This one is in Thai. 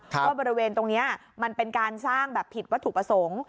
ว่าบริเวณตรงนี้มันเป็นการสร้างแบบผิดวัตถุประสงค์